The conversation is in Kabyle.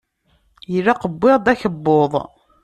Ilaq wwiɣ-d akebbuḍ.